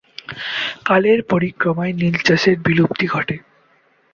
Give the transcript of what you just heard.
কালের পরিক্রমায় নীল চাষের বিলুপ্তি ঘটে।